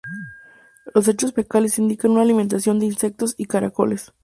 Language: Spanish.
Los desechos fecales indican una alimentación de insectos y caracoles.